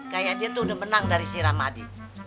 kayaknya tuh udah menang dari si rahmadi